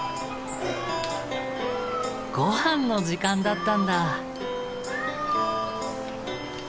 ごはんの時間だったんだ。